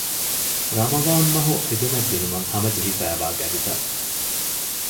ރަމަޟާންމަހު ޚިދުމަތް ދިނުމަށް ހަމަޖެހިފައިވާ ގަޑިތައް